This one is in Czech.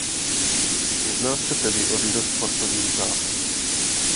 Jedná se tedy o ryze sportovní zápas.